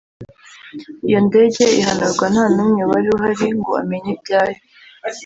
iyo ndege ihanurwa ntanumwe wari uhari ngo amenye ibyayo